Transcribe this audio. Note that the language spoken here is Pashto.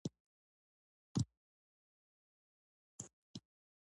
د علامه رشاد لیکنی هنر مهم دی ځکه چې علمي میراث پرېږدي.